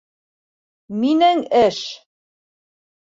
Минең эш!